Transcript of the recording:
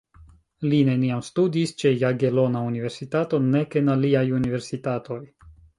Li neniam studis ĉe Jagelona Universitato nek en aliaj universitatoj.